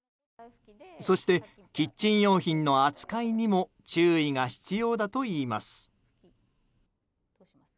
そしてキッチン用品の扱いにも注意が必要だといいます。